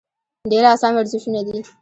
ډېر اسان ورزشونه دي -